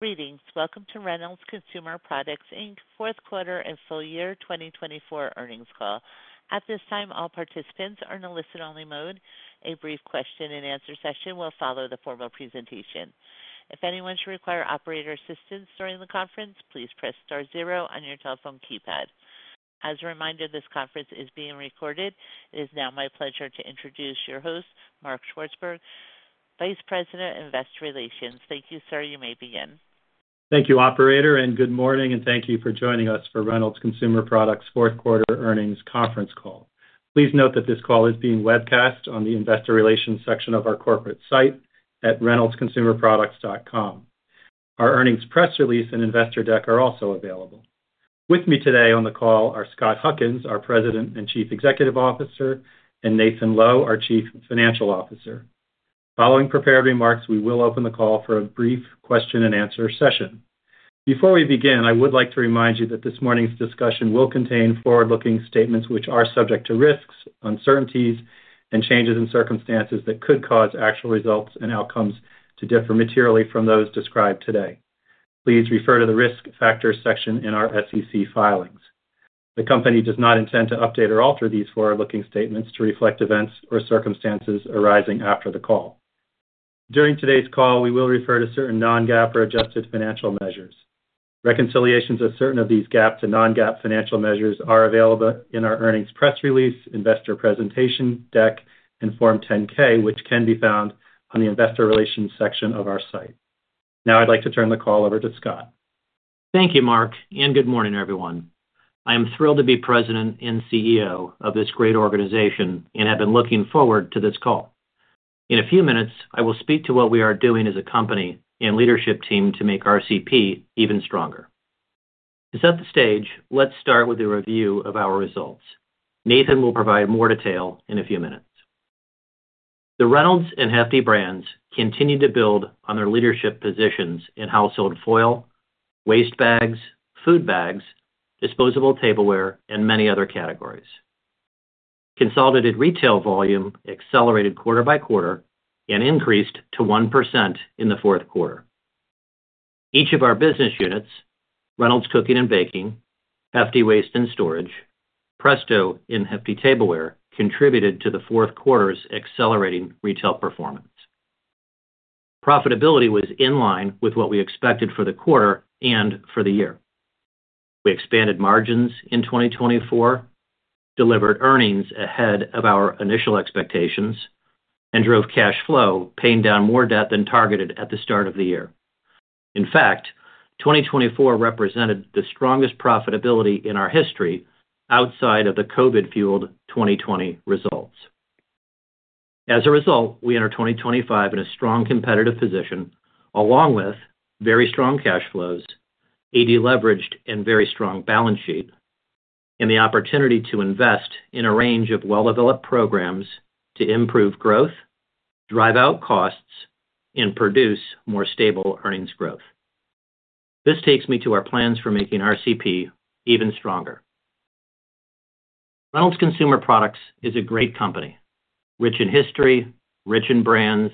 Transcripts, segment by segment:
Greetings. Welcome to Reynolds Consumer Products Inc Fourth Quarter and Full Year 2024 Earnings Call. At this time, all participants are in a listen-only mode. A brief question-and-answer session will follow the formal presentation. If anyone should require operator assistance during the conference, please press star zero on your telephone keypad. As a reminder, this conference is being recorded. It is now my pleasure to introduce your host, Mark Swartzberg, Vice President, Investor Relations. Thank you, sir. You may begin. Thank you, Operator, and good morning, and thank you for joining us for Reynolds Consumer Products Fourth Quarter Earnings Conference Call. Please note that this call is being webcast on the Investor Relations section of our corporate site at reynoldsconsumerproducts.com. Our earnings press release and investor deck are also available. With me today on the call are Scott Huckins, our President and Chief Executive Officer, and Nathan Lowe, our Chief Financial Officer. Following prepared remarks, we will open the call for a brief question-and-answer session. Before we begin, I would like to remind you that this morning's discussion will contain forward-looking statements which are subject to risks, uncertainties, and changes in circumstances that could cause actual results and outcomes to differ materially from those described today. Please refer to the risk factors section in our SEC filings. The company does not intend to update or alter these forward-looking statements to reflect events or circumstances arising after the call. During today's call, we will refer to certain non-GAAP or adjusted financial measures. Reconciliations of certain of these GAAP to non-GAAP financial measures are available in our earnings press release, investor presentation, deck, and Form 10-K, which can be found on the Investor Relations section of our site. Now, I'd like to turn the call over to Scott. Thank you, Mark, and good morning, everyone. I am thrilled to be President and CEO of this great organization and have been looking forward to this call. In a few minutes, I will speak to what we are doing as a company and leadership team to make RCP even stronger. To set the stage, let's start with a review of our results. Nathan will provide more detail in a few minutes. The Reynolds and Hefty brands continue to build on their leadership positions in household foil, waste bags, food bags, disposable tableware, and many other categories. Consolidated retail volume accelerated quarter-by-quarter and increased to 1% in the fourth quarter. Each of our business units, Reynolds Cooking and Baking, Hefty Waste and Storage, Presto and Hefty Tableware, contributed to the fourth quarter's accelerating retail performance. Profitability was in line with what we expected for the quarter and for the year. We expanded margins in 2024, delivered earnings ahead of our initial expectations, and drove cash flow, paying down more debt than targeted at the start of the year. In fact, 2024 represented the strongest profitability in our history outside of the COVID-fueled 2020 results. As a result, we enter 2025 in a strong competitive position, along with very strong cash flows, deleveraged, and very strong balance sheet, and the opportunity to invest in a range of well-developed programs to improve growth, drive out costs, and produce more stable earnings growth. This takes me to our plans for making RCP even stronger. Reynolds Consumer Products is a great company, rich in history, rich in brands,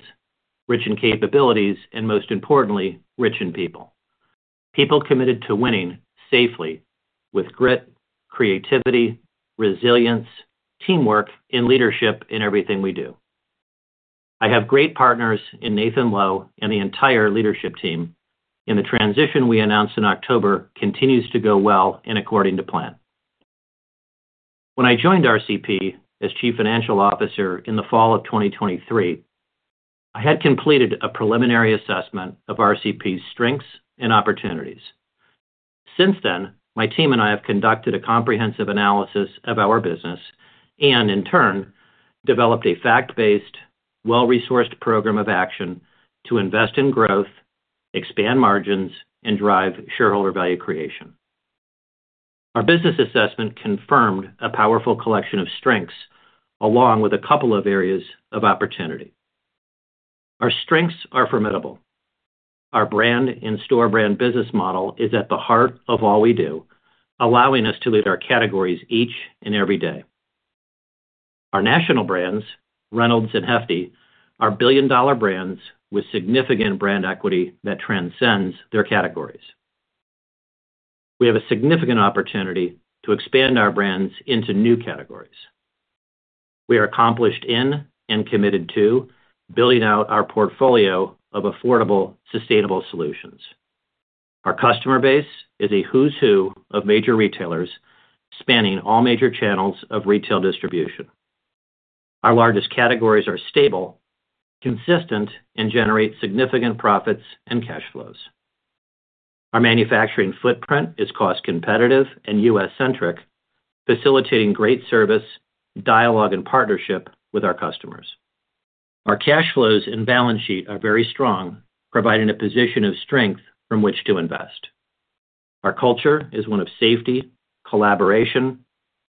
rich in capabilities, and most importantly, rich in people. People committed to winning safely with grit, creativity, resilience, teamwork, and leadership in everything we do. I have great partners in Nathan Lowe and the entire leadership team, and the transition we announced in October continues to go well and according to plan. When I joined RCP as Chief Financial Officer in the fall of 2023, I had completed a preliminary assessment of RCP's strengths and opportunities. Since then, my team and I have conducted a comprehensive analysis of our business and, in turn, developed a fact-based, well-resourced program of action to invest in growth, expand margins, and drive shareholder value creation. Our business assessment confirmed a powerful collection of strengths along with a couple of areas of opportunity. Our strengths are formidable. Our brand and store brand business model is at the heart of all we do, allowing us to lead our categories each and every day. Our national brands, Reynolds and Hefty, are billion-dollar brands with significant brand equity that transcends their categories. We have a significant opportunity to expand our brands into new categories. We are accomplished in and committed to building out our portfolio of affordable, sustainable solutions. Our customer base is a who's who of major retailers spanning all major channels of retail distribution. Our largest categories are stable, consistent, and generate significant profits and cash flows. Our manufacturing footprint is cost-competitive and U.S.-centric, facilitating great service, dialogue, and partnership with our customers. Our cash flows and balance sheet are very strong, providing a position of strength from which to invest. Our culture is one of safety, collaboration,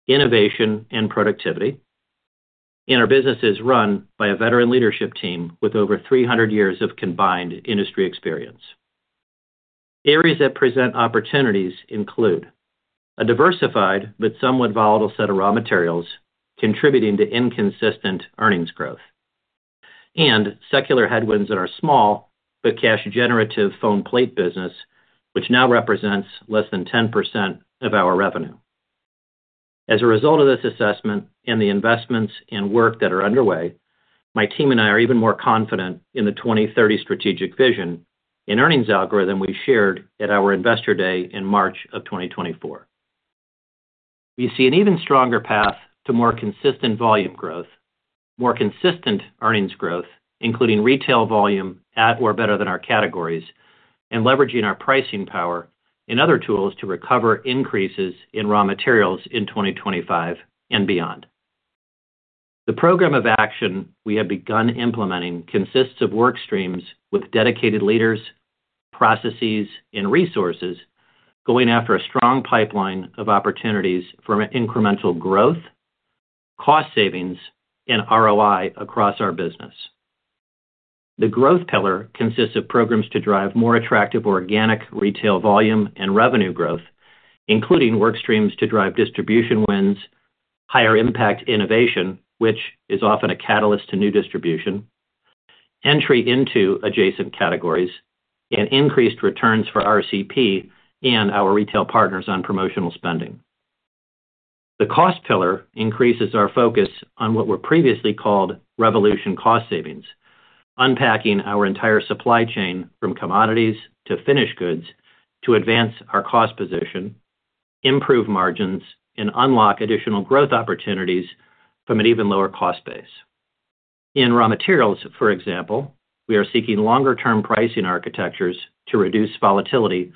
innovation, and productivity, and our business is run by a veteran leadership team with over 300 years of combined industry experience. Areas that present opportunities include, a diversified but somewhat volatile set of raw materials contributing to inconsistent earnings growth, and secular headwinds that are small but cash-generative foam plate business, which now represents less than 10% of our revenue. As a result of this assessment and the investments and work that are underway, my team and I are even more confident in the 2030 strategic vision and earnings algorithm we shared at our Investor Day in March of 2024. We see an even stronger path to more consistent volume growth, more consistent earnings growth, including retail volume at or better than our categories, and leveraging our pricing power and other tools to recover increases in raw materials in 2025 and beyond. The program of action we have begun implementing consists of work streams with dedicated leaders, processes, and resources going after a strong pipeline of opportunities for incremental growth, cost savings, and ROI across our business. The growth pillar consists of programs to drive more attractive organic retail volume and revenue growth, including work streams to drive distribution wins, higher impact innovation, which is often a catalyst to new distribution, entry into adjacent categories, and increased returns for RCP and our retail partners on promotional spending. The cost pillar increases our focus on what were previously called revolution cost savings, unpacking our entire supply chain from commodities to finished goods to advance our cost position, improve margins, and unlock additional growth opportunities from an even lower cost base. In raw materials, for example, we are seeking longer-term pricing architectures to reduce volatility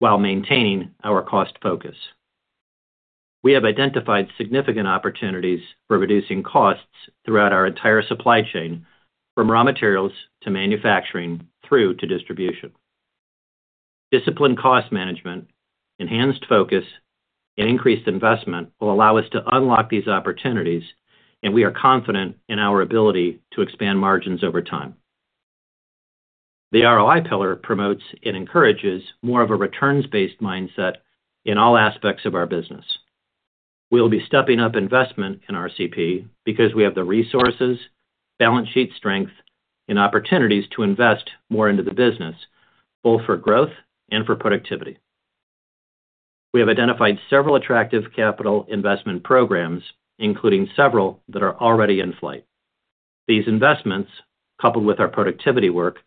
while maintaining our cost focus. We have identified significant opportunities for reducing costs throughout our entire supply chain, from raw materials to manufacturing through to distribution. Disciplined cost management, enhanced focus, and increased investment will allow us to unlock these opportunities, and we are confident in our ability to expand margins over time. The ROI pillar promotes and encourages more of a returns-based mindset in all aspects of our business. We will be stepping up investment in RCP because we have the resources, balance sheet strength, and opportunities to invest more into the business, both for growth and for productivity. We have identified several attractive capital investment programs, including several that are already in flight. These investments, coupled with our productivity work,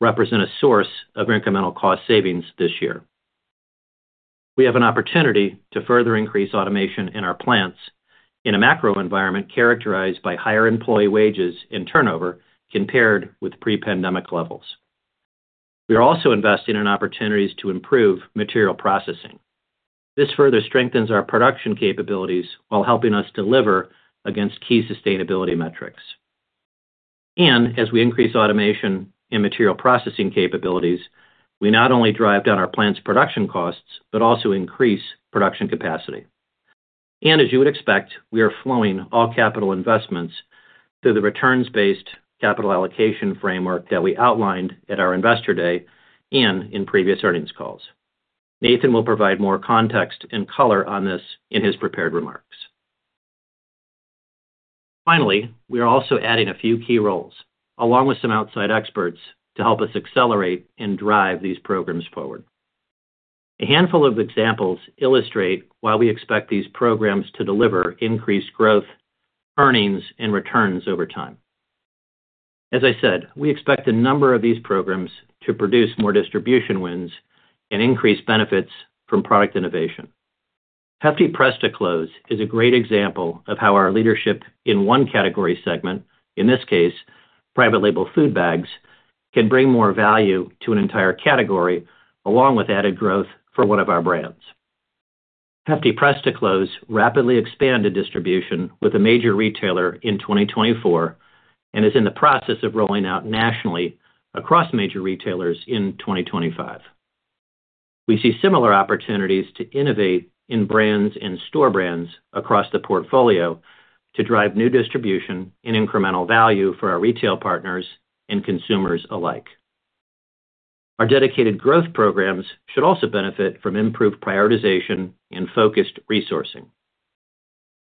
represent a source of incremental cost savings this year. We have an opportunity to further increase automation in our plants in a macro environment characterized by higher employee wages and turnover compared with pre-pandemic levels. We are also investing in opportunities to improve material processing. This further strengthens our production capabilities while helping us deliver against key sustainability metrics, and as we increase automation and material processing capabilities, we not only drive down our plant's production costs but also increase production capacity, and as you would expect, we are flowing all capital investments through the returns-based capital allocation framework that we outlined at our Investor Day and in previous earnings calls. Nathan will provide more context and color on this in his prepared remarks. Finally, we are also adding a few key roles along with some outside experts to help us accelerate and drive these programs forward. A handful of examples illustrate why we expect these programs to deliver increased growth, earnings, and returns over time. As I said, we expect a number of these programs to produce more distribution wins and increase benefits from product innovation. Hefty Press to Close is a great example of how our leadership in one category segment, in this case, private label food bags, can bring more value to an entire category along with added growth for one of our brands. Hefty Press to Close rapidly expanded distribution with a major retailer in 2024 and is in the process of rolling out nationally across major retailers in 2025. We see similar opportunities to innovate in brands and store brands across the portfolio to drive new distribution and incremental value for our retail partners and consumers alike. Our dedicated growth programs should also benefit from improved prioritization and focused resourcing.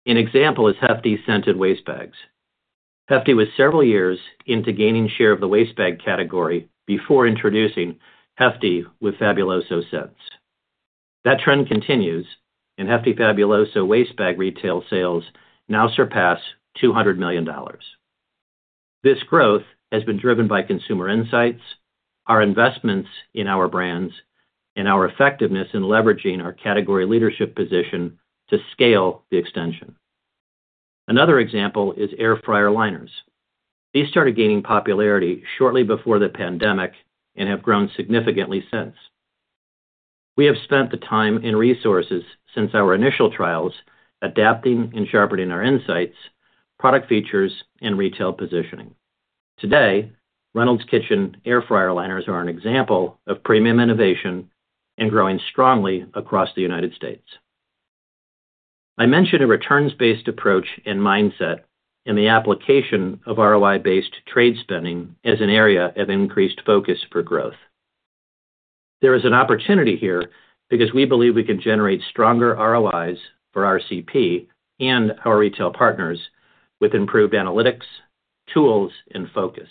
An example is Hefty Scented Waste Bags. Hefty was several years into gaining share of the waste bag category before introducing Hefty with Fabuloso Scents. That trend continues, and Hefty Fabuloso waste bag retail sales now surpass $200 million. This growth has been driven by consumer insights, our investments in our brands, and our effectiveness in leveraging our category leadership position to scale the extension. Another example is air fryer liners. These started gaining popularity shortly before the pandemic and have grown significantly since. We have spent the time and resources since our initial trials adapting and sharpening our insights, product features, and retail positioning. Today, Reynolds Kitchens air fryer liners are an example of premium innovation and growing strongly across the United States. I mentioned a returns-based approach and mindset in the application of ROI-based trade spending as an area of increased focus for growth. There is an opportunity here because we believe we can generate stronger ROIs for RCP and our retail partners with improved analytics, tools, and focus.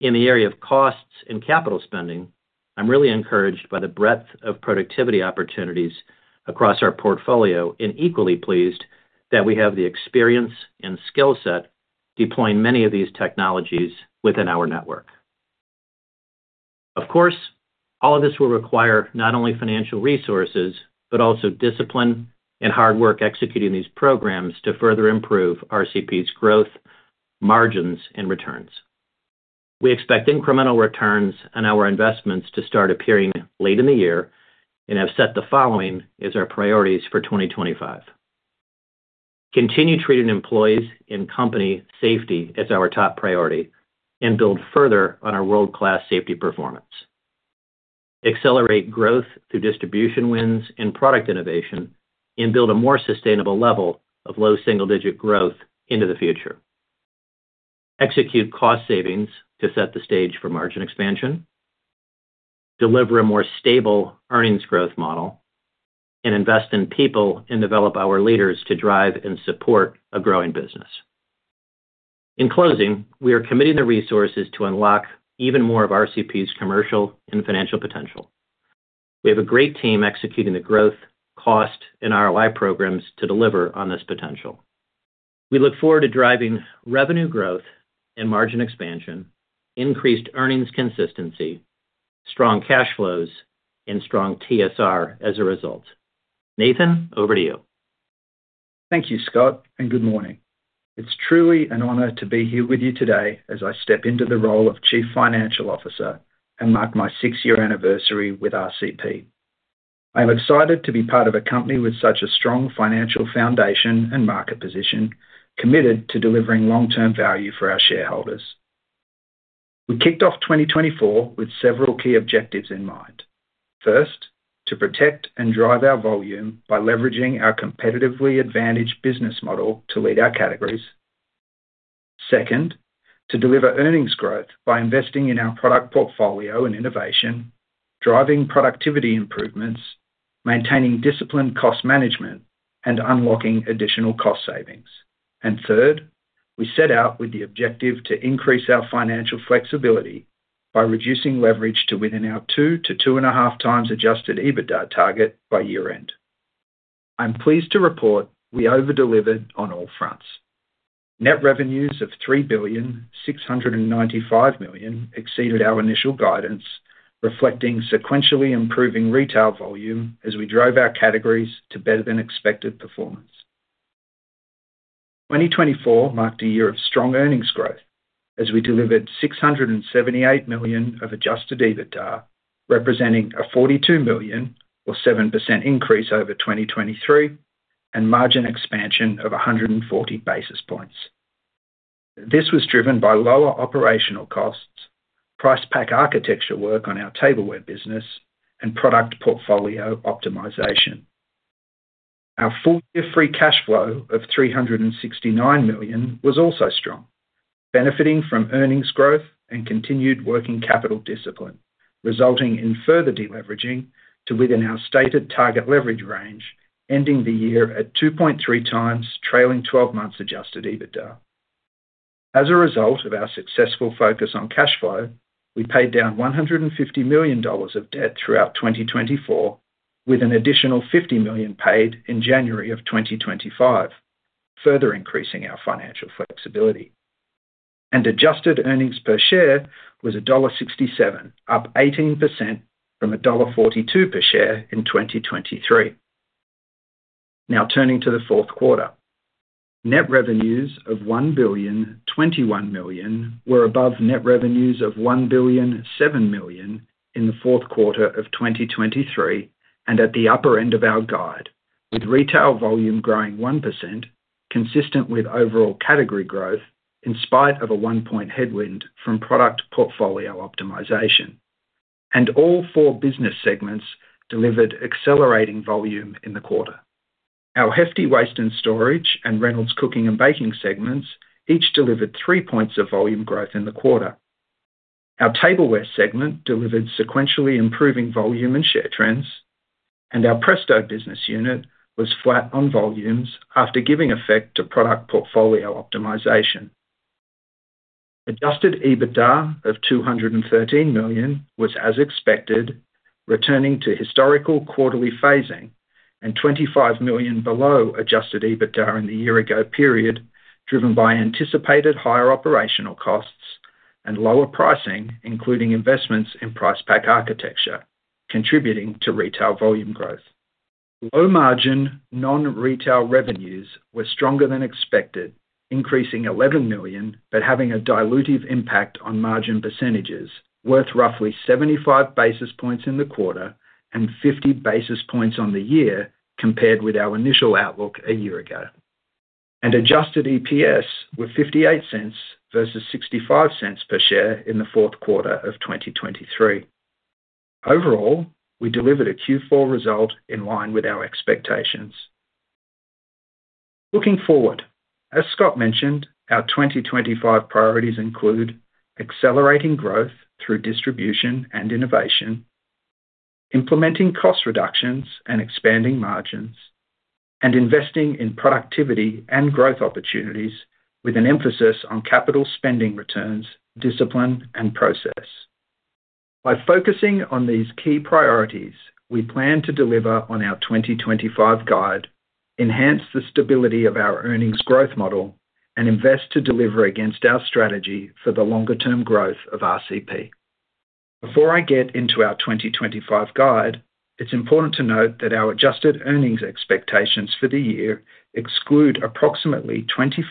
In the area of costs and capital spending, I'm really encouraged by the breadth of productivity opportunities across our portfolio and equally pleased that we have the experience and skill set deploying many of these technologies within our network. Of course, all of this will require not only financial resources but also discipline and hard work executing these programs to further improve RCP's growth, margins, and returns. We expect incremental returns on our investments to start appearing late in the year and have set the following as our priorities for 2025. Continue treating employees and company safety as our top priority and build further on our world-class safety performance. Accelerate growth through distribution wins and product innovation and build a more sustainable level of low single-digit growth into the future. Execute cost savings to set the stage for margin expansion, deliver a more stable earnings growth model, and invest in people and develop our leaders to drive and support a growing business. In closing, we are committing the resources to unlock even more of RCP's commercial and financial potential. We have a great team executing the growth, cost, and ROI programs to deliver on this potential. We look forward to driving revenue growth and margin expansion, increased earnings consistency, strong cash flows, and strong TSR as a result. Nathan, over to you. Thank you, Scott, and good morning. It's truly an honor to be here with you today as I step into the role of Chief Financial Officer and mark my six-year anniversary with RCP. I am excited to be part of a company with such a strong financial foundation and market position committed to delivering long-term value for our shareholders. We kicked off 2024 with several key objectives in mind. First, to protect and drive our volume by leveraging our competitively advantaged business model to lead our categories. Second, to deliver earnings growth by investing in our product portfolio and innovation, driving productivity improvements, maintaining disciplined cost management, and unlocking additional cost savings. And third, we set out with the objective to increase our financial flexibility by reducing leverage to within our 2-2.5x Adjusted EBITDA target by year-end. I'm pleased to report we overdelivered on all fronts. Net revenues of $3.695 billion exceeded our initial guidance, reflecting sequentially improving retail volume as we drove our categories to better-than-expected performance. 2024 marked a year of strong earnings growth as we delivered $678 million of Adjusted EBITDA, representing a $42 million, or 7% increase over 2023, and margin expansion of 140 basis points. This was driven by lower operational costs, price pack architecture work on our tableware business, and product portfolio optimization. Our full-year free cash flow of $369 million was also strong, benefiting from earnings growth and continued working capital discipline, resulting in further deleveraging to within our stated target leverage range, ending the year at 2.3x trailing 12 months Adjusted EBITDA. As a result of our successful focus on cash flow, we paid down $150 million of debt throughout 2024, with an additional $50 million paid in January of 2025, further increasing our financial flexibility, and adjusted earnings per share was $1.67, up 18% from $1.42 per share in 2023. Now turning to the fourth quarter, net revenues of $1.021 billion were above net revenues of $1.007 billion in the fourth quarter of 2023 and at the upper end of our guide, with retail volume growing 1%, consistent with overall category growth in spite of a one-point headwind from product portfolio optimization. And all four business segments delivered accelerating volume in the quarter. Our Hefty Waste and Storage and Reynolds Cooking and Baking segments each delivered three points of volume growth in the quarter. Our tableware segment delivered sequentially improving volume and share trends, and our Presto business unit was flat on volumes after giving effect to product portfolio optimization. Adjusted EBITDA of $213 million was as expected, returning to historical quarterly phasing, and $25 million below adjusted EBITDA in the year-ago period, driven by anticipated higher operational costs and lower pricing, including investments in price pack architecture, contributing to retail volume growth. Low-margin non-retail revenues were stronger than expected, increasing $11 million but having a dilutive impact on margin percentages, worth roughly 75 basis points in the quarter and 50 basis points on the year compared with our initial outlook a year ago. Adjusted EPS were $0.58 versus $0.65 per share in the fourth quarter of 2023. Overall, we delivered a Q4 result in line with our expectations. Looking forward, as Scott mentioned, our 2025 priorities include accelerating growth through distribution and innovation, implementing cost reductions and expanding margins, and investing in productivity and growth opportunities with an emphasis on capital spending returns, discipline, and process. By focusing on these key priorities, we plan to deliver on our 2025 guide, enhance the stability of our earnings growth model, and invest to deliver against our strategy for the longer-term growth of RCP. Before I get into our 2025 guide, it's important to note that our adjusted earnings expectations for the year exclude approximately $25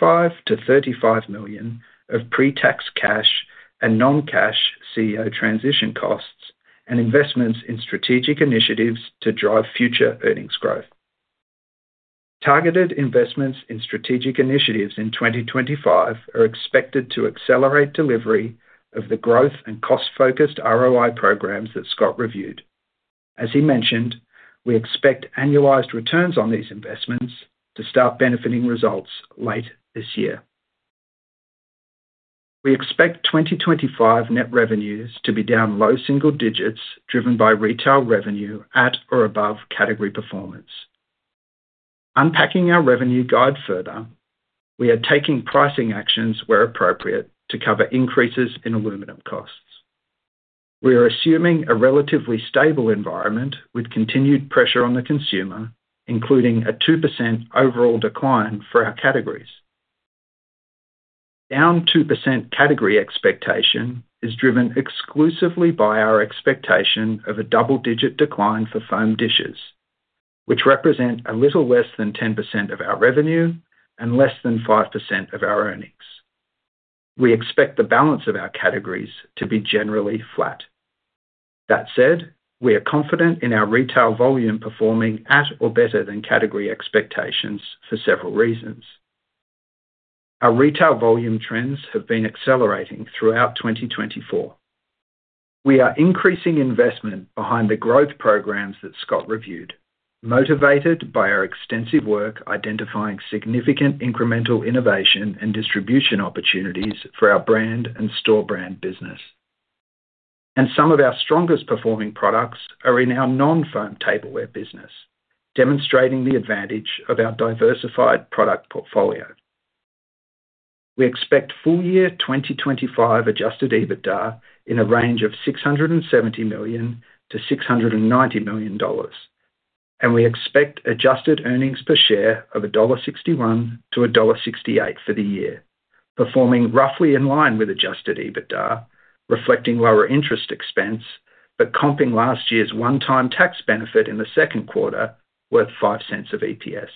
million-$35 million of pre-tax cash and non-cash CEO transition costs and investments in strategic initiatives to drive future earnings growth. Targeted investments in strategic initiatives in 2025 are expected to accelerate delivery of the growth and cost-focused ROI programs that Scott reviewed. As he mentioned, we expect annualized returns on these investments to start benefiting results late this year. We expect 2025 net revenues to be down low single digits, driven by retail revenue at or above category performance. Unpacking our revenue guide further, we are taking pricing actions where appropriate to cover increases in aluminum costs. We are assuming a relatively stable environment with continued pressure on the consumer, including a 2% overall decline for our categories. Down 2% category expectation is driven exclusively by our expectation of a double-digit decline for foam dishes, which represent a little less than 10% of our revenue and less than 5% of our earnings. We expect the balance of our categories to be generally flat. That said, we are confident in our retail volume performing at or better than category expectations for several reasons. Our retail volume trends have been accelerating throughout 2024. We are increasing investment behind the growth programs that Scott reviewed, motivated by our extensive work identifying significant incremental innovation and distribution opportunities for our brand and store brand business. Some of our strongest performing products are in our non-foam tableware business, demonstrating the advantage of our diversified product portfolio. We expect full-year 2025 Adjusted EBITDA in a range of $670 million-$690 million, and we expect adjusted earnings per share of $1.61-$1.68 for the year, performing roughly in line with Adjusted EBITDA, reflecting lower interest expense but comping last year's one-time tax benefit in the second quarter worth $0.05 of EPS.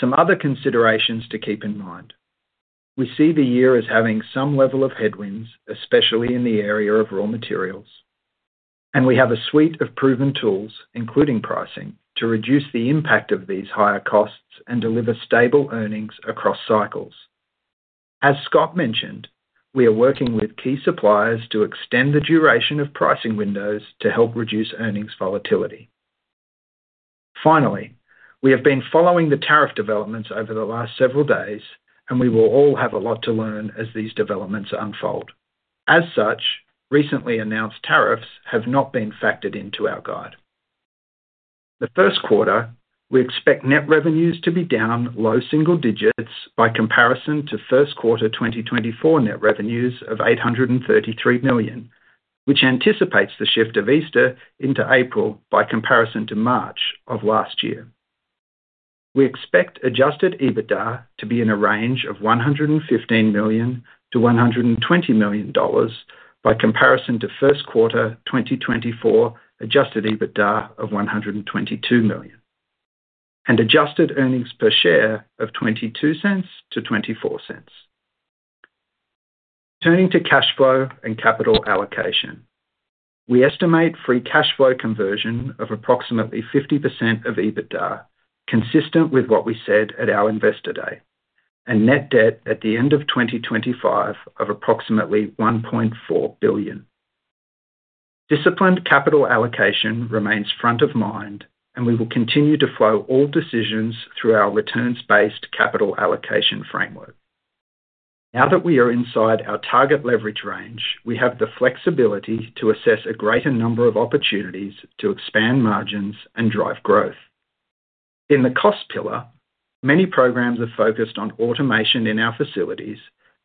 Some other considerations to keep in mind. We see the year as having some level of headwinds, especially in the area of raw materials. We have a suite of proven tools, including pricing, to reduce the impact of these higher costs and deliver stable earnings across cycles. As Scott mentioned, we are working with key suppliers to extend the duration of pricing windows to help reduce earnings volatility. Finally, we have been following the tariff developments over the last several days, and we will all have a lot to learn as these developments unfold. As such, recently announced tariffs have not been factored into our guide. The first quarter, we expect net revenues to be down low single digits by comparison to first quarter 2024 net revenues of $833 million, which anticipates the shift of Easter into April by comparison to March of last year. We expect Adjusted EBITDA to be in a range of $115 million-$120 million by comparison to first quarter 2024 Adjusted EBITDA of $122 million, and adjusted earnings per share of $0.22-$0.24. Turning to cash flow and capital allocation, we estimate free cash flow conversion of approximately 50% of EBITDA, consistent with what we said at our Investor Day, and net debt at the end of 2025 of approximately $1.4 billion. Disciplined capital allocation remains front of mind, and we will continue to flow all decisions through our returns-based capital allocation framework. Now that we are inside our target leverage range, we have the flexibility to assess a greater number of opportunities to expand margins and drive growth. In the cost pillar, many programs are focused on automation in our facilities,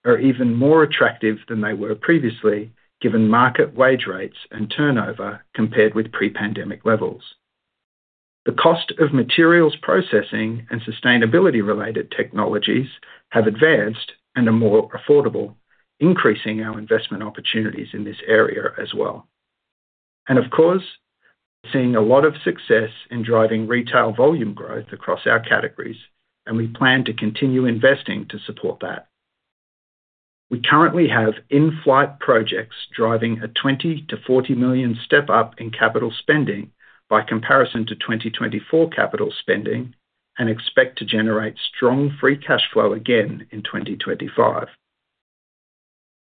are even more attractive than they were previously given market wage rates and turnover compared with pre-pandemic levels. The cost of materials processing and sustainability-related technologies have advanced and are more affordable, increasing our investment opportunities in this area as well. Of course, we're seeing a lot of success in driving retail volume growth across our categories, and we plan to continue investing to support that. We currently have in-flight projects driving a $20 million-$40 million step-up in capital spending by comparison to 2024 capital spending and expect to generate strong free cash flow again in 2025.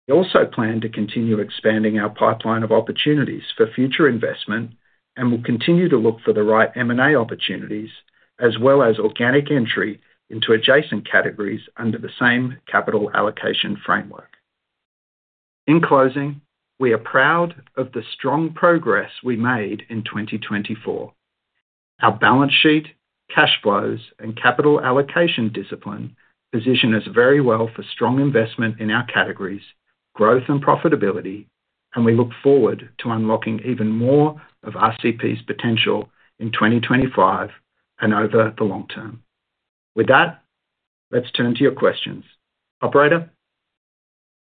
We also plan to continue expanding our pipeline of opportunities for future investment and will continue to look for the right M&A opportunities as well as organic entry into adjacent categories under the same capital allocation framework. In closing, we are proud of the strong progress we made in 2024. Our balance sheet, cash flows, and capital allocation discipline position us very well for strong investment in our categories, growth, and profitability, and we look forward to unlocking even more of RCP's potential in 2025 and over the long term. With that, let's turn to your questions, Operator.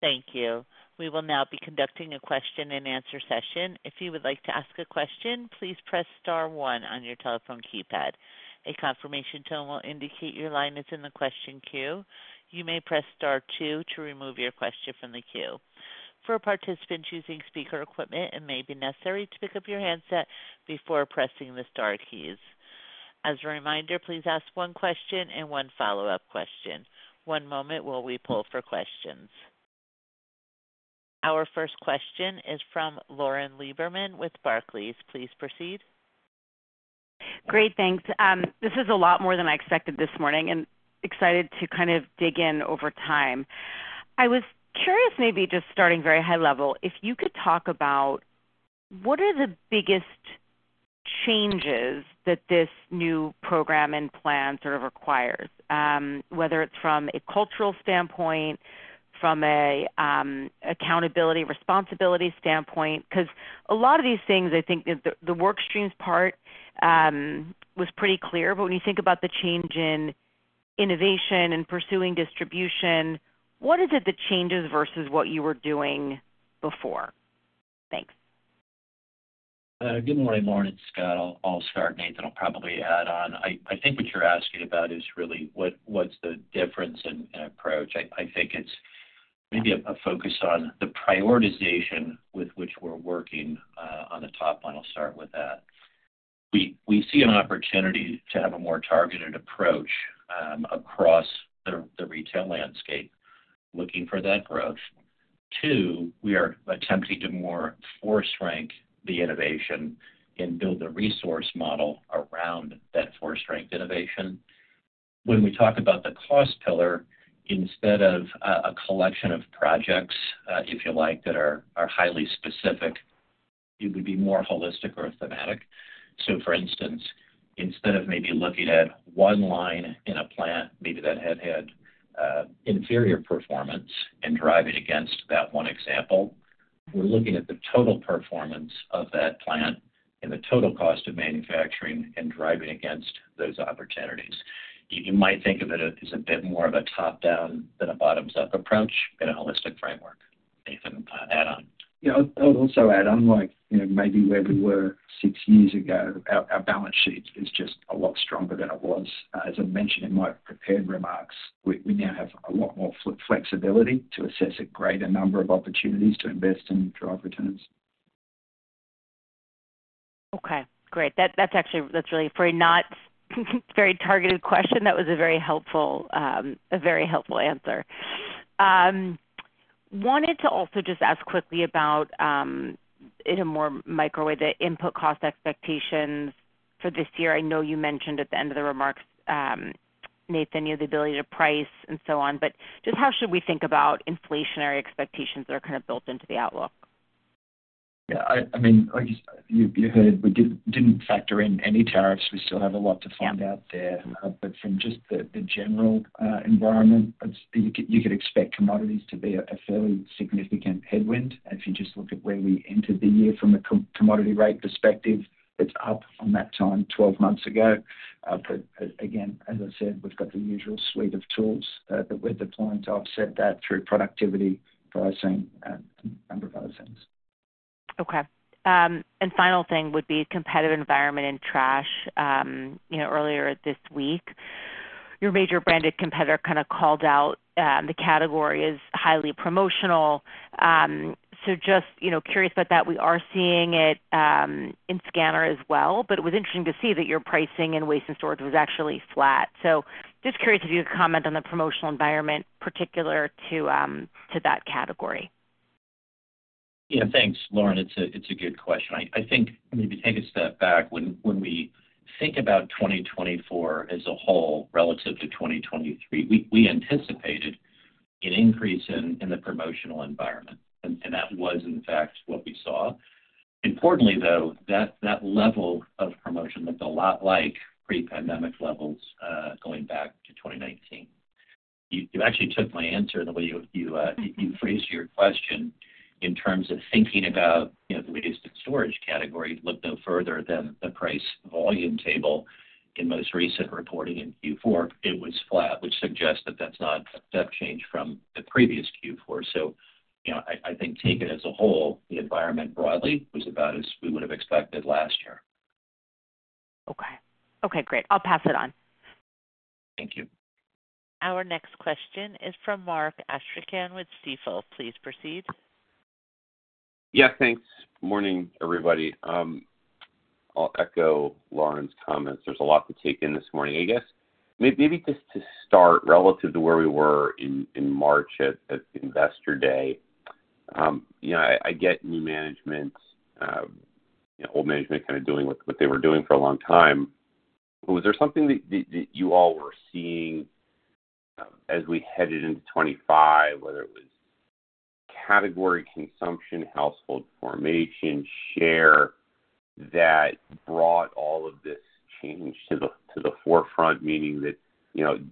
Thank you. We will now be conducting a question-and-answer session. If you would like to ask a question, please press star one on your telephone keypad. A confirmation tone will indicate your line is in the question queue. You may press star two to remove your question from the queue. For participants using speaker equipment, it may be necessary to pick up your handset before pressing the star keys. As a reminder, please ask one question and one follow-up question. One moment while we pull for questions. Our first question is from Lauren Lieberman with Barclays. Please proceed. Great, thanks. This is a lot more than I expected this morning, and excited to kind of dig in over time. I was curious, maybe just starting very high level, if you could talk about what are the biggest changes that this new program and plan sort of requires, whether it's from a cultural standpoint, from an accountability responsibility standpoint? Because a lot of these things, I think the workstreams part was pretty clear, but when you think about the change in innovation and pursuing distribution, what is it that changes versus what you were doing before? Thanks. Good morning, Lauren, it's Scott. I'll start, Nathan will probably add on. I think what you're asking about is really what's the difference in approach. I think it's maybe a focus on the prioritization with which we're working on the top line. I'll start with that. We see an opportunity to have a more targeted approach across the retail landscape, looking for that growth. Two, we are attempting to more force-rank the innovation and build the resource model around that force-ranked innovation. When we talk about the cost pillar, instead of a collection of projects, if you like, that are highly specific, it would be more holistic or thematic. So, for instance, instead of maybe looking at one line in a plant, maybe that had had inferior performance and driving against that one example, we're looking at the total performance of that plant and the total cost of manufacturing and driving against those opportunities. You might think of it as a bit more of a top-down than a bottoms-up approach in a holistic framework. Nathan, add on. Yeah, I'll also add on, like maybe where we were six years ago, our balance sheet is just a lot stronger than it was. As I mentioned in my prepared remarks, we now have a lot more flexibility to assess a greater number of opportunities to invest and drive returns. Okay, great. That's actually a very targeted question. That was a very helpful answer. Wanted to also just ask quickly about, in a more micro way, the input cost expectations for this year. I know you mentioned at the end of the remarks, Nathan, the ability to price and so on, but just how should we think about inflationary expectations that are kind of built into the outlook? Yeah, I mean, like you heard, we didn't factor in any tariffs. We still have a lot to find out there. But from just the general environment, you could expect commodities to be a fairly significant headwind. If you just look at where we entered the year from a commodity rate perspective, it's up from that time 12 months ago. But again, as I said, we've got the usual suite of tools that we're deploying. So I've said that through productivity, pricing, and a number of other things. Okay. And the final thing would be a competitive environment in trash. Earlier this week, your major branded competitor kind of called out the category as highly promotional. So just curious about that. We are seeing it in scanner as well, but it was interesting to see that your pricing in Waste and Storage was actually flat. So just curious if you could comment on the promotional environment particular to that category. Yeah, thanks, Lauren. It's a good question. I think maybe take a step back. When we think about 2024 as a whole relative to 2023, we anticipated an increase in the promotional environment, and that was, in fact, what we saw. Importantly, though, that level of promotion looked a lot like pre-pandemic levels going back to 2019. You actually took my answer in the way you phrased your question in terms of thinking about the Waste and Storage category. Look no further than the price volume table in most recent reporting in Q4. It was flat, which suggests that that's not a step change from the previous Q4. So I think, taken as a whole, the environment broadly was about as we would have expected last year. Okay. Okay, great. I'll pass it on. Thank you. Our next question is from Mark Astrachan with Stifel. Please proceed. Yeah, thanks. Morning, everybody. I'll echo Lauren's comments. There's a lot to take in this morning. I guess maybe just to start relative to where we were in March at Investor Day, I get new management, old management kind of doing what they were doing for a long time. Was there something that you all were seeing as we headed into 2025, whether it was category consumption, household formation, share that brought all of this change to the forefront? Meaning that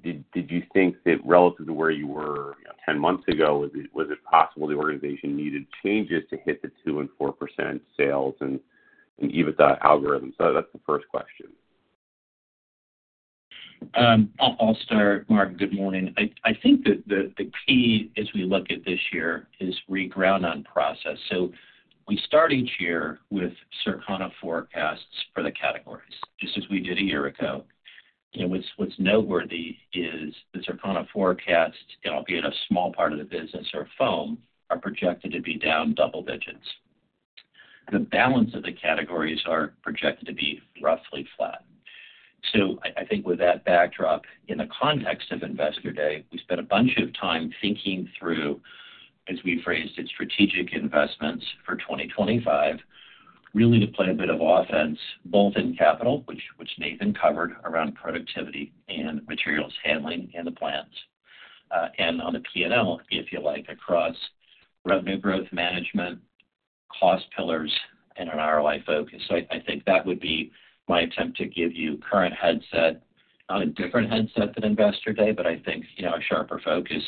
did you think that relative to where you were 10 months ago, was it possible the organization needed changes to hit the 2% and 4% sales and EBITDA algorithms? That's the first question. I'll start, Mark. Good morning. I think that the key as we look at this year is reground on process. So we start each year with Circana forecasts for the categories, just as we did a year ago. What's noteworthy is the Circana forecasts, albeit a small part of the business of foam, are projected to be down double digits. The balance of the categories are projected to be roughly flat. So I think with that backdrop, in the context of Investor Day, we spent a bunch of time thinking through, as we phrased it, strategic investments for 2025, really to play a bit of offense, both in capital, which Nathan covered around productivity and materials handling and the plans, and on the P&L, if you revenue growth management, cost pillars, and an ROI focus. So I think that would be my attempt to give you current headspace, not a different headspace than Investor Day, but I think a sharper focus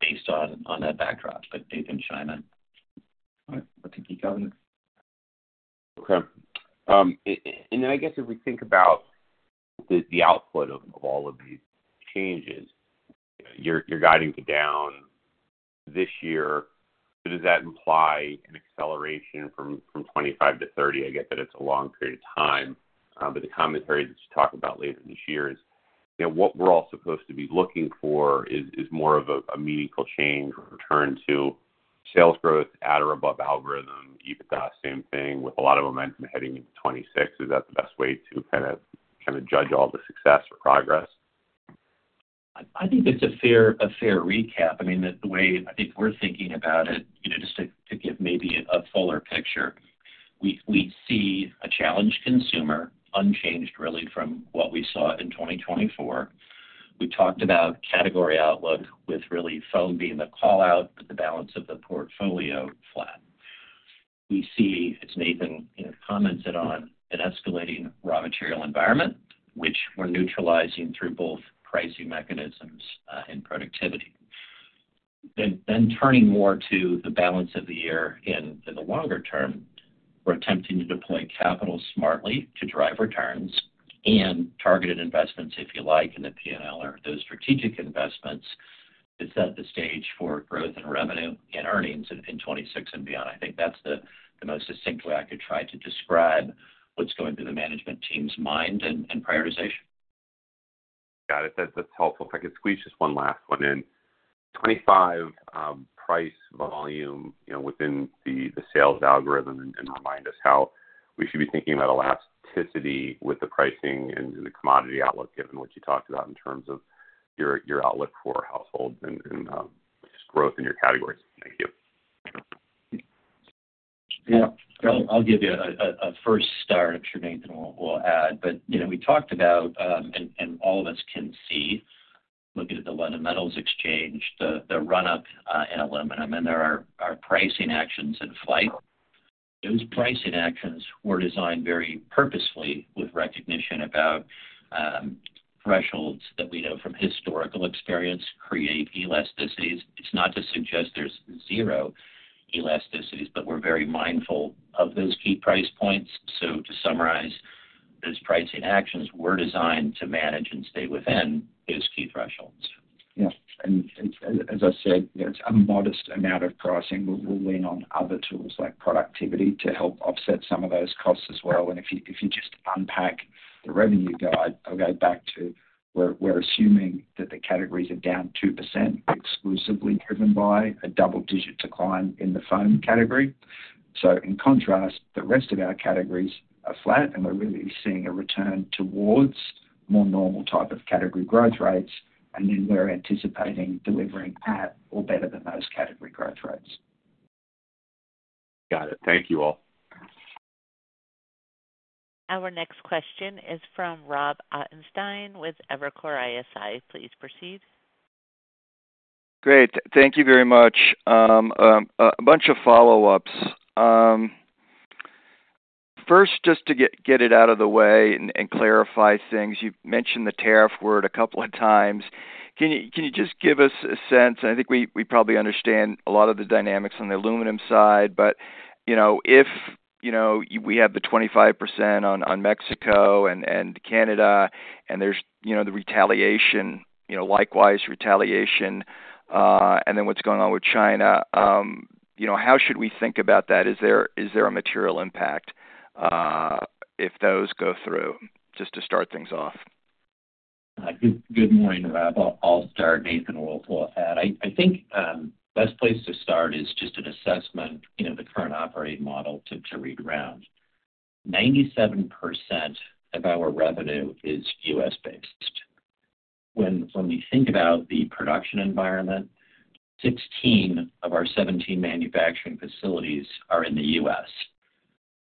based on that backdrop. But Nathan. Okay. And then I guess if we think about the output of all of these changes, you're guiding to down this year. So does that imply an acceleration from 2025 to 2030? I get that it's a long period of time, but the commentary that you talk about later this year is what we're all supposed to be looking for is more of a meaningful change or return to sales growth, add or above algorithm, EBITDA, same thing with a lot of momentum heading into 2026. Is that the best way to kind of judge all the success or progress? I think it's a fair recap. I mean, the way I think we're thinking about it, just to give maybe a fuller picture, we see a challenged consumer, unchanged really from what we saw in 2024. We talked about category outlook with really foam being the callout, but the balance of the portfolio flat. We see, as Nathan commented on, an escalating raw material environment, which we're neutralizing through both pricing mechanisms and productivity. Then turning more to the balance of the year in the longer term, we're attempting to deploy capital smartly to drive returns and targeted investments, if you like, in the P&L or those strategic investments to set the stage for growth and revenue and earnings in 2026 and beyond. I think that's the most distinct way I could try to describe what's going through the management team's mind and prioritization. Got it. That's helpful. If I could squeeze just one last one in '25, price volume within the sales algorithm and remind us how we should be thinking about elasticity with the pricing and the commodity outlook, given what you talked about in terms of your outlook for households and just growth in your categories. Thank you. Yeah. I'll give you a first start. I'm sure Nathan will add, but we talked about, and all of us can see, looking at the London Metal Exchange, the run-up in aluminum, and there are pricing actions in flight. Those pricing actions were designed very purposely with recognition about thresholds that we know from historical experience create elasticities. It's not to suggest there's zero elasticities, but we're very mindful of those key price points. So to summarize, those pricing actions were designed to manage and stay within those key thresholds. Yeah. And as I said, it's a modest amount of pricing. We're relying on other tools like productivity to help offset some of those costs as well. And if you just unpack the revenue guide, I'll go back to we're assuming that the categories are down 2% exclusively driven by a double-digit decline in the foam category. So in contrast, the rest of our categories are flat, and we're really seeing a return towards more normal type of category growth rates, and then we're anticipating delivering at or better than those category growth rates. Got it. Thank you all. Our next question is from Rob Ottenstein with Evercore ISI. Please proceed.\ Great. Thank you very much. A bunch of follow-ups. First, just to get it out of the way and clarify things, you've mentioned the tariff word a couple of times. Can you just give us a sense? I think we probably understand a lot of the dynamics on the aluminum side, but if we have the 25% on Mexico and Canada, and there's the retaliation, likewise retaliation, and then what's going on with China, how should we think about that? Is there a material impact if those go through, just to start things off? Good morning, Rob. I'll start. Nathan will add. I think the best place to start is just an assessment of the current operating model to reground. 97% of our revenue is U.S.-based. When we think about the production environment, 16 of our 17 manufacturing facilities are in the U.S.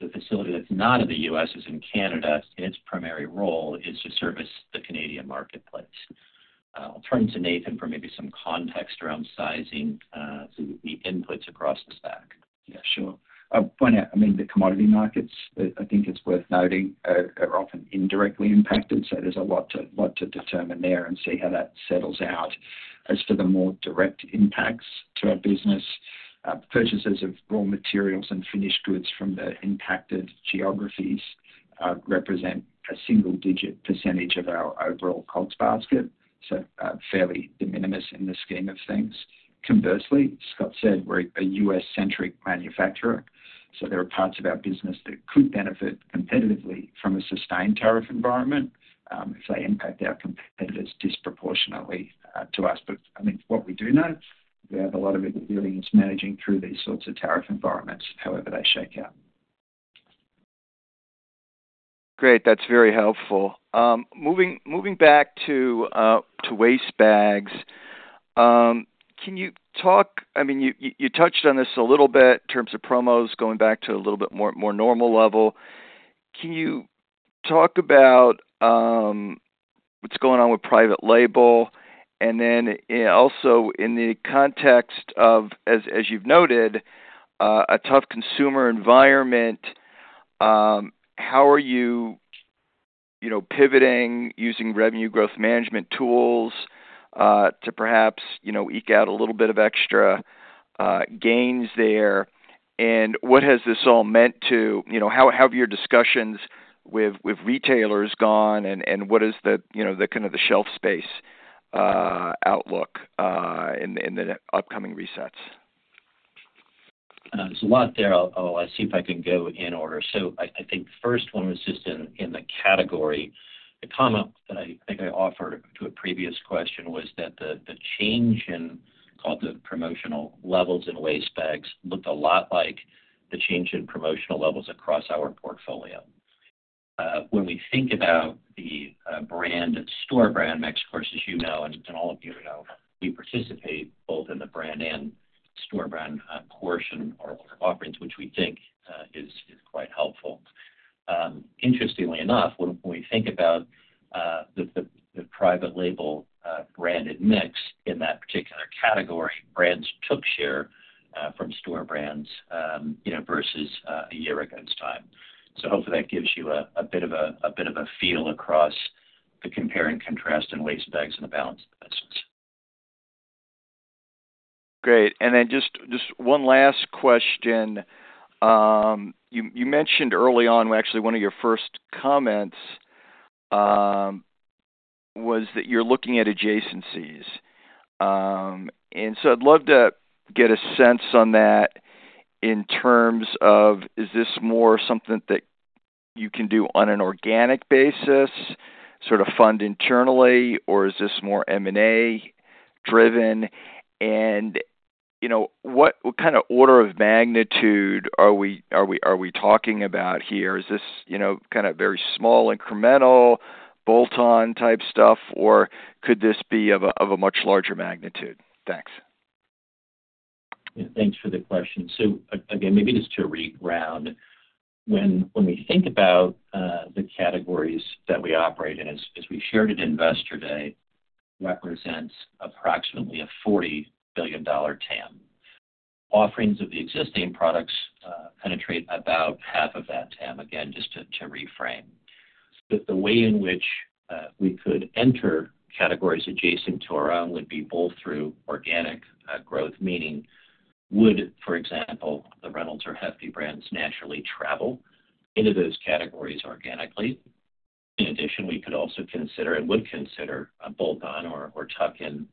The facility that's not in the U.S. is in Canada, and its primary role is to service the Canadian marketplace. I'll turn to Nathan for maybe some context around sizing the inputs across the stack. Yeah, sure. I mean, the commodity markets, I think it's worth noting, are often indirectly impacted. So there's a lot to determine there and see how that settles out. As for the more direct impacts to our business, purchases of raw materials and finished goods from the impacted geographies represent a single-digit % of our overall costs basket, so fairly de minimis in the scheme of things. Conversely, Scott said, we're a U.S.-centric manufacturer, so there are parts of our business that could benefit competitively from a sustained tariff environment if they impact our competitors disproportionately to us. But I think what we do know, we have a lot of experience managing through these sorts of tariff environments, however they shake out. Great. That's very helpful. Moving back to waste bags, can you talk? I mean, you touched on this a little bit in terms of promos, going back to a little bit more normal level. Can you talk about what's going on with private label? And then also in the context of, as you've noted, a tough consumer environment, how are you revenue growth management tools to perhaps eke out a little bit of extra gains there? And what has this all meant to? How have your discussions with retailers gone, and what is the kind of shelf space outlook in the upcoming resets? There's a lot there. I'll see if I can go in order. So I think the first one was just in the category. The comment that I think I offered to a previous question was that the change in, called the promotional levels, in waste bags looked a lot like the change in promotional levels across our portfolio. When we think about the store brand, Mexico, as you know, and all of you know, we participate both in the brand and store brand portion or offerings, which we think is quite helpful. Interestingly enough, when we think about the private label branded mix in that particular category, brands took share from store brands versus a year against time. So hopefully that gives you a bit of a feel across the compare and contrast in waste bags and the balance of the business. Great, and then just one last question. You mentioned early on, actually one of your first comments was that you're looking at adjacencies. And so I'd love to get a sense on that in terms of, is this more something that you can do on an organic basis, sort of fund internally, or is this more M&A-driven? And what kind of order of magnitude are we talking about here? Is this kind of very small, incremental, bolt-on type stuff, or could this be of a much larger magnitude? Thanks. Thanks for the question. So again, maybe just to reground, when we think about the categories that we operate in, as we shared at Investor Day, represents approximately a $40 billion TAM. Offerings of the existing products penetrate about half of that TAM, again, just to reframe. The way in which we could enter categories adjacent to our own would be both through organic growth, meaning would, for example, the Reynolds or Hefty brands naturally travel into those categories organically? In addition, we could also consider and would consider bolt-on or tuck-in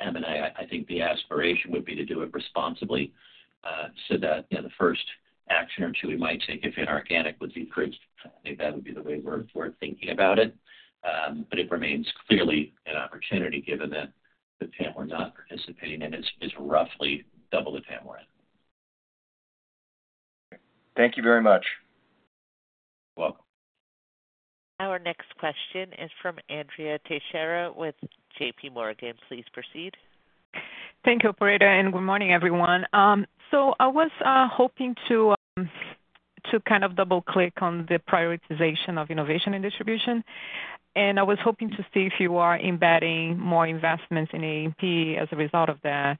M&A. I think the aspiration would be to do it responsibly so that the first action or two we might take if inorganic would be approved. I think that would be the way we're thinking about it. But it remains clearly an opportunity given that the TAM we're not participating in is roughly double the TAM we're in. Thank you very much. You're welcome. Our next question is from Andrea Teixeira with JPMorgan. Please proceed. Thank you, Operator. And good morning, everyone. So I was hoping to kind of double-click on the prioritization of innovation and distribution. And I was hoping to see if you are embedding more investments in A&P as a result of that.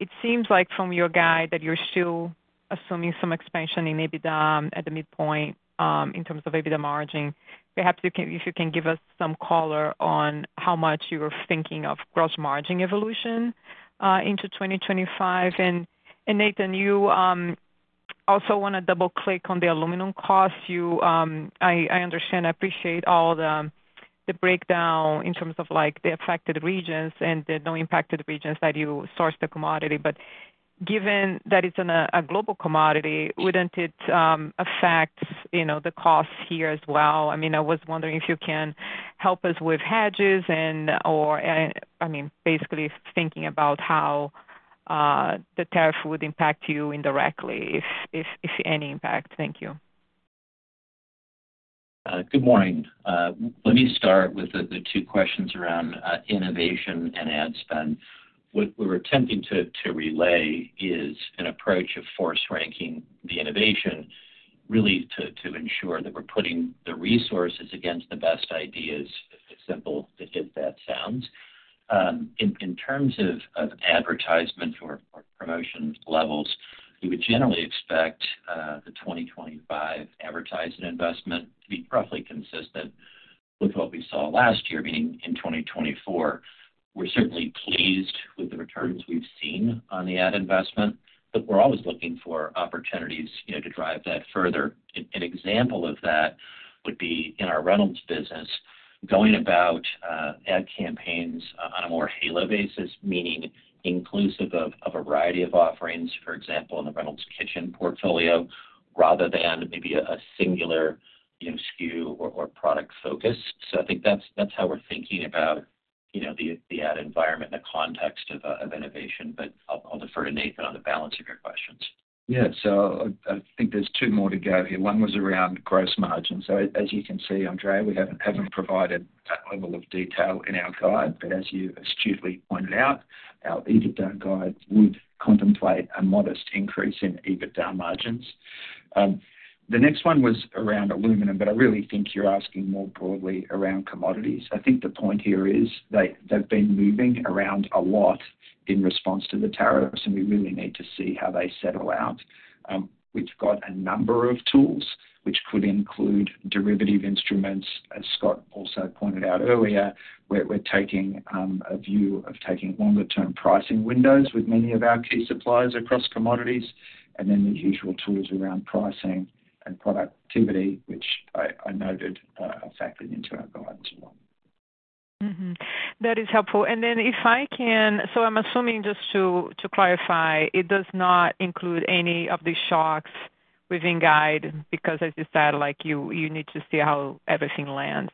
It seems like from your guidance that you're still assuming some expansion in EBITDA at the midpoint in terms of EBITDA margin. Perhaps if you can give us some color on how much you're thinking of gross margin evolution into 2025. And Nathan, you also want to double-click on the aluminum cost. I understand. I appreciate all the breakdown in terms of the affected regions and the non-impacted regions that you source the commodity. But given that it's a global commodity, wouldn't it affect the costs here as well? I mean, I was wondering if you can help us with hedges and, I mean, basically thinking about how the tariff would impact you indirectly, if any impact. Thank you. Good morning. Let me start with the two questions around innovation and ad spend. What we're attempting to relay is an approach of force ranking the innovation really to ensure that we're putting the resources against the best ideas, as simple as that sounds. In terms of advertisement or promotion levels, we would generally expect the 2025 advertising investment to be roughly consistent with what we saw last year, meaning in 2024. We're certainly pleased with the returns we've seen on the ad investment, but we're always looking for opportunities to drive that further. An example of that would be in our Reynolds business, going about ad campaigns on a more halo basis, meaning inclusive of a variety of offerings, for example, in the Reynolds Kitchens portfolio, rather than maybe a singular SKU or product focus. So I think that's how we're thinking about the ad environment in the context of innovation. But I'll defer to Nathan on the balance of your questions. Yeah. I think there's two more to go here. One was around gross margins. As you can see, Andrea, we haven't provided that level of detail in our guide. But as you astutely pointed out, our EBITDA guide would contemplate a modest increase in EBITDA margins. The next one was around aluminum, but I really think you're asking more broadly around commodities. I think the point here is they've been moving around a lot in response to the tariffs, and we really need to see how they settle out. We've got a number of tools, which could include derivative instruments, as Scott also pointed out earlier, where we're taking a view of taking longer-term pricing windows with many of our key suppliers across commodities, and then the usual tools around pricing and productivity, which I noted are factored into our guide as well. That is helpful. And then if I can, so I'm assuming just to clarify, it does not include any of the shocks within guide because, as you said, you need to see how everything lands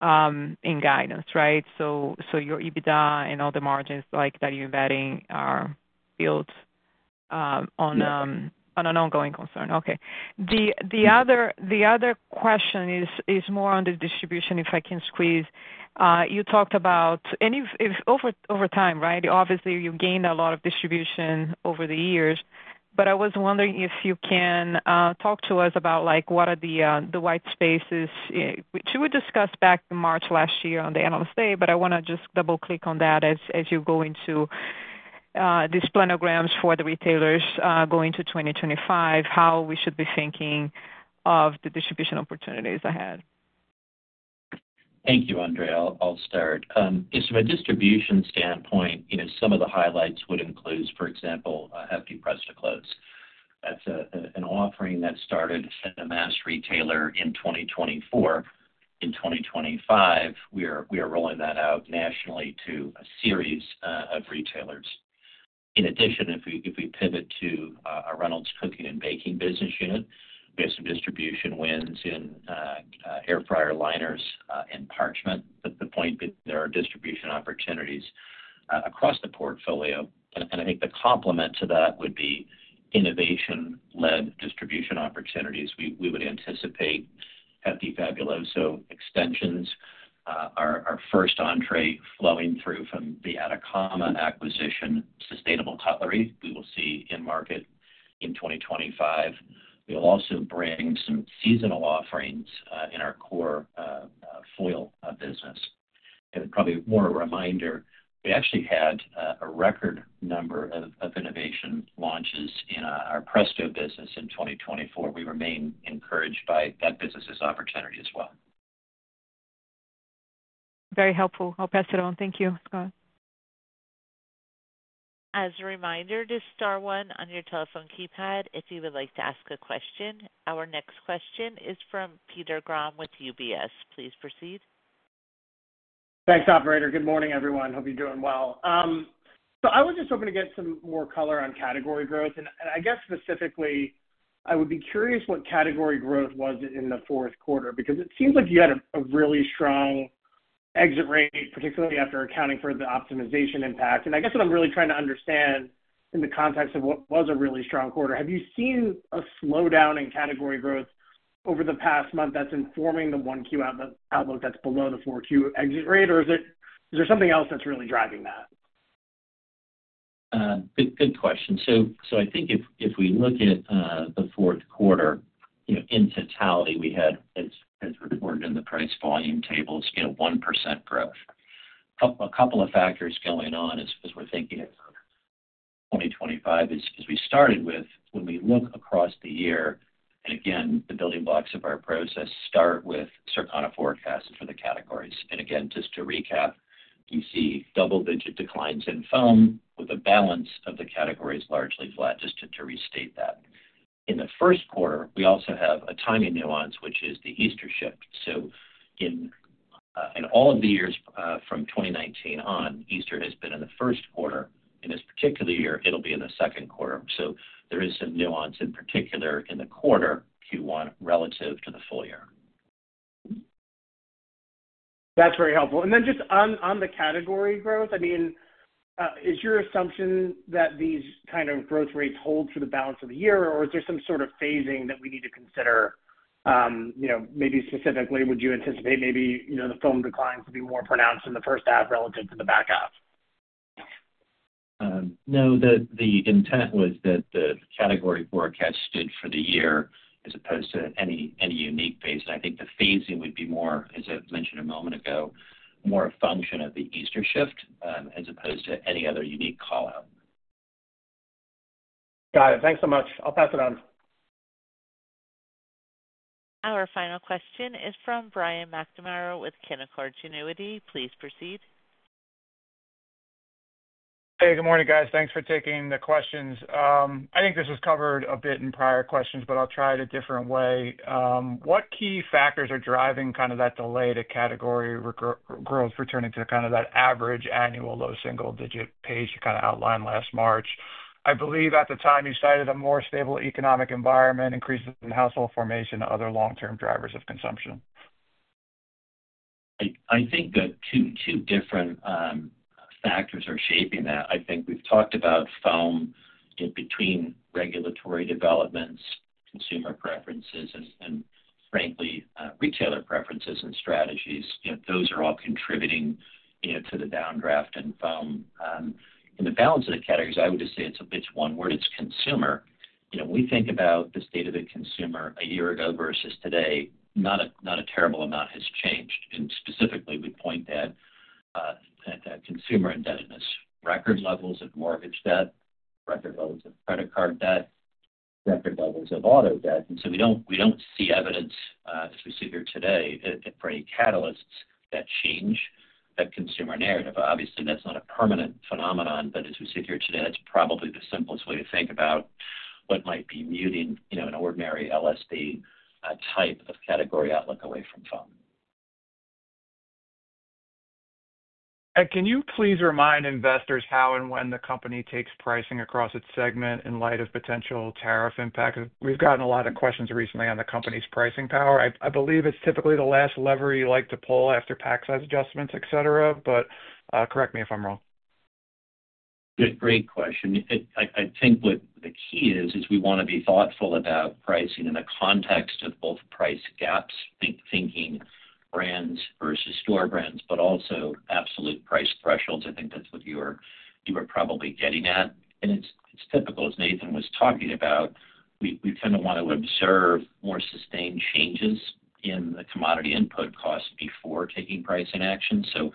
in guidance, right, so your EBITDA and all the margins that you're embedding are built on an ongoing concern. Okay. The other question is more on the distribution, if I can squeeze. You talked about, and over time, right? Obviously, you gained a lot of distribution over the years but I was wondering if you can talk to us about what are the white spaces, which we discussed back in March last year on the analyst day, but I want to just double-click on that as you go into these planograms for the retailers going to 2025, how we should be thinking of the distribution opportunities ahead. Thank you, Andrea. I'll start. From a distribution standpoint, some of the highlights would include, for example, Hefty Press to Close. That's an offering that started at a mass retailer in 2024. In 2025, we are rolling that out nationally to a series of retailers. In addition, if we pivot to our Reynolds Cooking and Baking business unit, we have some distribution wins in air fryer liners and parchment. But the point being there are distribution opportunities across the portfolio. And I think the complement to that would be innovation-led distribution opportunities. We would anticipate Hefty Fabuloso extensions, our first entry flowing through from the Atacama acquisition, Sustainable Cutlery. We will see in market in 2025. We will also bring some seasonal offerings in our core foil business. And probably more of a reminder, we actually had a record number of innovation launches in our Presto business in 2024. We remain encouraged by that business's opportunity as well. Very helpful. I'll pass it on. Thank you, Scott. As a reminder, to star one on your telephone keypad if you would like to ask a question. Our next question is from Peter Grom with UBS. Please proceed. Thanks, Operator. Good morning, everyone. Hope you're doing well. So I was just hoping to get some more color on category growth. And I guess specifically, I would be curious what category growth was in the fourth quarter because it seems like you had a really strong exit rate, particularly after accounting for the optimization impact. I guess what I'm really trying to understand in the context of what was a really strong quarter, have you seen a slowdown in category growth over the past month that's informing the 1Q outlook that's below the 4Q exit rate, or is there something else that's really driving that? Good question. I think if we look at the fourth quarter, in totality, we had, as reported in the price volume tables, 1% growth. A couple of factors going on as we're thinking about 2025 is we started with, when we look across the year, and again, the building blocks of our process start with Circana forecasts for the categories. Again, just to recap, you see double-digit declines in foam with a balance of the categories largely flat, just to restate that. In the first quarter, we also have a timing nuance, which is the Easter shift. So in all of the years from 2019 on, Easter has been in the first quarter. In this particular year, it'll be in the second quarter. So there is some nuance in particular in the quarter Q1 relative to the full year. That's very helpful. And then just on the category growth, I mean, is your assumption that these kind of growth rates hold for the balance of the year, or is there some sort of phasing that we need to consider? Maybe specifically, would you anticipate maybe the foam declines to be more pronounced in the first half relative to the back half? No, the intent was that the category forecast stood for the year as opposed to any unique phase. And I think the phasing would be more, as I mentioned a moment ago, more a function of the Easter shift as opposed to any other unique callout. Got it. Thanks so much. I'll pass it on. Our final question is from Brian McNamara with Canaccord Genuity. Please proceed. Hey, good morning, guys. Thanks for taking the questions. I think this was covered a bit in prior questions, but I'll try it a different way. What key factors are driving kind of that delay to category growth returning to kind of that average annual low single-digit pace you kind of outlined last March? I believe at the time you cited a more stable economic environment, increases in household formation, other long-term drivers of consumption. I think that two different factors are shaping that. I think we've talked about foam between regulatory developments, consumer preferences, and frankly, retailer preferences and strategies. Those are all contributing to the downdraft in foam. In the balance of the categories, I would just say it's one word. It's consumer. We think about the state of the consumer a year ago versus today. Not a terrible amount has changed, and specifically, we point to consumer indebtedness, record levels of mortgage debt, record levels of credit card debt, record levels of auto debt, and so we don't see evidence, as we sit here today, for any catalysts that change that consumer narrative. Obviously, that's not a permanent phenomenon, but as we sit here today, that's probably the simplest way to think about what might be muting an ordinary LSD type of category outlook away from foam. And can you please remind investors how and when the company takes pricing across its segment in light of potential tariff impact? We've gotten a lot of questions recently on the company's pricing power. I believe it's typically the last lever you like to pull after pack size adjustments, etc., but correct me if I'm wrong. Great question. I think what the key is, is we want to be thoughtful about pricing in the context of both price gaps, thinking brands versus store brands, but also absolute price thresholds. I think that's what you were probably getting at, and it's typical, as Nathan was talking about, we kind of want to observe more sustained changes in the commodity input costs before taking pricing action, so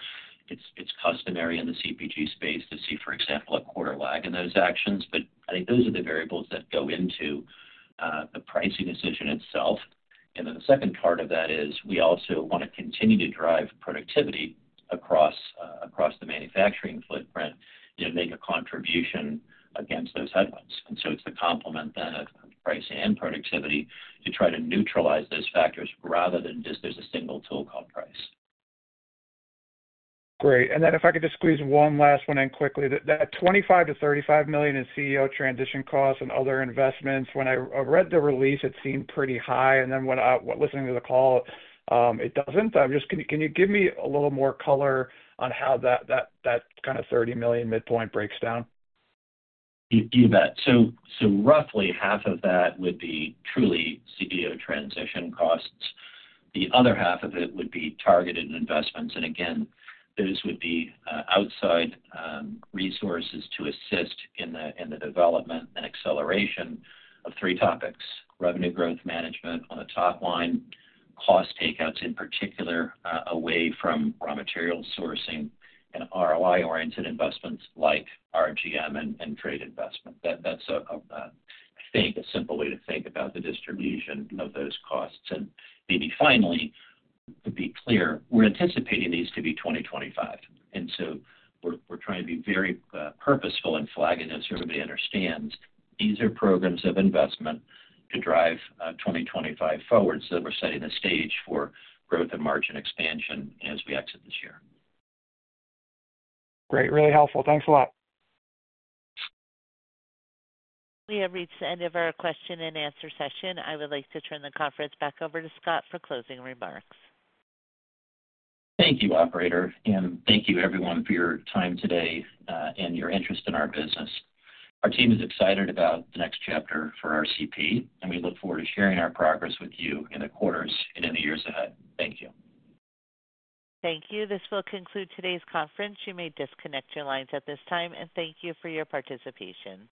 it's customary in the CPG space to see, for example, a quarter lag in those actions, but I think those are the variables that go into the pricing decision itself. And then the second part of that is we also want to continue to drive productivity across the manufacturing footprint, make a contribution against those headlines. And so it's the complement then of pricing and productivity to try to neutralize those factors rather than just there's a single tool called price. Great. And then if I could just squeeze one last one in quickly, that $25 million-$35 million in CEO transition costs and other investments, when I read the release, it seemed pretty high. And then when I was listening to the call, it doesn't. Can you give me a little more color on how that kind of $30 million midpoint breaks down? You bet. So roughly half of that would be truly CEO transition costs. The other half of it would be targeted investments. And again, those would be outside resources to assist in the development and acceleration of revenue growth management on the top line, cost takeouts in particular, away from raw material sourcing, and ROI-oriented investments like RGM and trade investment. That's, I think, a simple way to think about the distribution of those costs. And maybe finally, to be clear, we're anticipating these to be 2025. And so we're trying to be very purposeful and flagging those so everybody understands these are programs of investment to drive 2025 forward so that we're setting the stage for growth and margin expansion as we exit this year. Great. Really helpful. Thanks a lot. We have reached the end of our question and answer session. I would like to turn the conference back over to Scott for closing remarks. Thank you, Operator. Thank you, everyone, for your time today and your interest in our business. Our team is excited about the next chapter for RCP, and we look forward to sharing our progress with you in the quarters and in the years ahead. Thank you. Thank you. This will conclude today's conference. You may disconnect your lines at this time, and thank you for your participation.